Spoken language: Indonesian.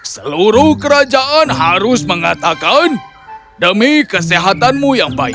seluruh kerajaan harus mengatakan demi kesehatanmu yang baik